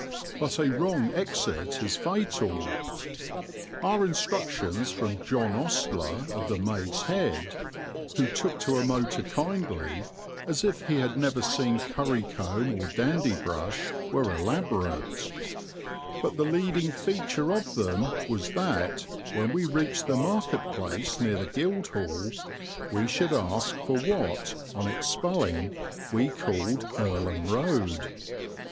But a wrong exit is fatal. Our instructions from John Ostler of the "Maid's Head," who took to a motor kindly as if he had never seen curry comb or dandy brush, were elaborate; but the leading feature of them was that, when we reached the market place near the Guildhall, we should ask for what, on its spelling, we called "Earlham Road."